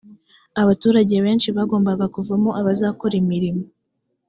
abaturage benshi bagombaga kuvamo abazakora imirimo .